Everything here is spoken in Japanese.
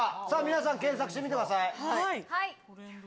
さあ、皆さん検索してみてください。